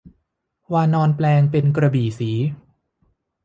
วานรแปลงเป็นกระบี่ศรี